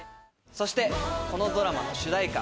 そしてこのドラマの主題歌